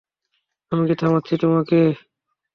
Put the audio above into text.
আমি কি থামাচ্ছি তোমাকে?